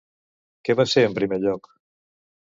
Què va ser en primer lloc?